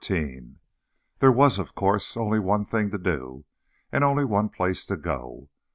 13 There was, of course, only one thing to do, and only one place to go.